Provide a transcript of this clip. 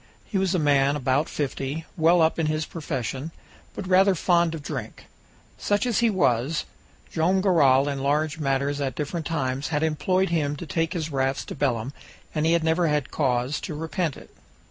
He was a man about fifty, well up in his profession, but rather fond of drink. Such as he was, Joam Garral in large matters at different times had employed him to take his rafts to Belem, and he had never had cause to repent it.